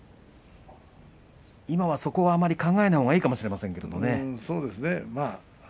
今は、そこはあまり考えないほうがいいかもしれないですけれどね。